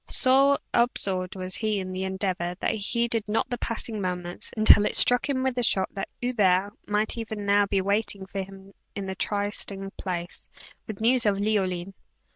So absorbed was he in the endeavor, that he heeded not the passing moments, until it struck him with a shock that Hubert might even now be waiting for him at the trysting place, with news of Leoline.